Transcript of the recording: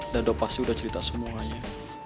dadah pas udah cerita semuanya